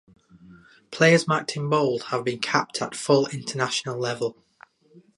Players marked in bold have been capped at full international level.